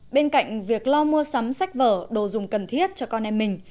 bên cạnh việc lo mua sắm sách vở đồ dùng cần thiết cho con em mình